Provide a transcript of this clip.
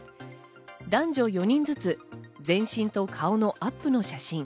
男女４人ずつ、全身と顔のアップの写真。